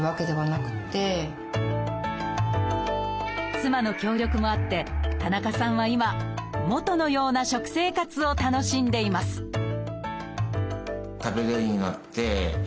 妻の協力もあって田中さんは今元のような食生活を楽しんでいますよかったですね。